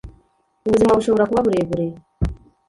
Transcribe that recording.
ubuzima bushobora kuba burebure.